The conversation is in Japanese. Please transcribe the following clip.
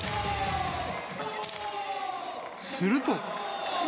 すると。